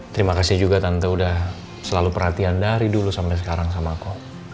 terima kasih juga tante udah selalu perhatian dari dulu sampai sekarang sama kok